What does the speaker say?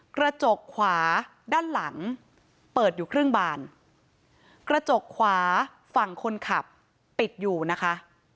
กระจกขวาด้านหลังเปิดอยู่ครึ่งบานกระจกขวาฝั่งคนขับปิดอยู่นะคะ